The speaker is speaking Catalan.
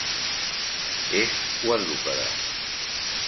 És quadrúpede.